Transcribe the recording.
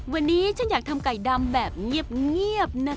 วันนี้ฉันอยากทำไก่ดำแบบเงียบนะคะ